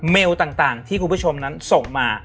เมลต่างที่คุณผู้ชมนั้นส่งมา